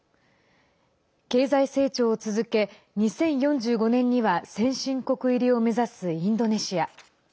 経済成長を続け、２０４５年には先進国入りを目指すインドネシア。